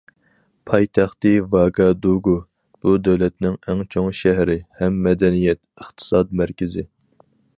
پايتەختى ۋاگادۇگۇ بۇ دۆلەتنىڭ ئەڭ چوڭ شەھىرى ھەم مەدەنىيەت، ئىقتىساد مەركىزى.